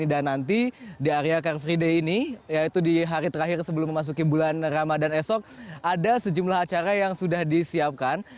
dan nanti di area car free day ini yaitu di hari terakhir sebelum memasuki bulan ramadan esok ada sejumlah acara yang sudah disiapkan